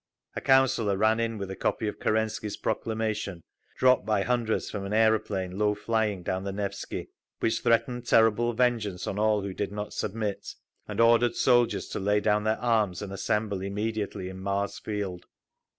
A Councillor ran in with a copy of Kerensky's proclamation, dropped by hundreds from an aeroplane low flying down the Nevsky, which threatened terrible vengeance on all who did not submit, and ordered soldiers to lay down their arms and assemble immediately in Mars Field.